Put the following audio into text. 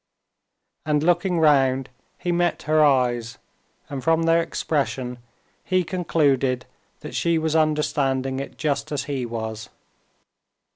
And looking round, he met her eyes, and from their expression he concluded that she was understanding it just as he was.